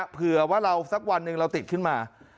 เผื่อว่าเราสักวันหนึ่งเราติดขึ้นมา